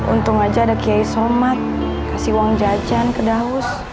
untung aja ada kiai somat kasih uang jajan ke daus